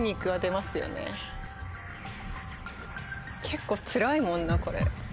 結構つらいもんなこれ。